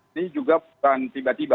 ini juga bukan tiba tiba